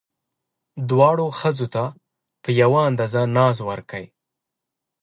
دواړو ښځو ته په یوه اندازه ناز ورکئ.